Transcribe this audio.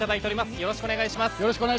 よろしくお願いします。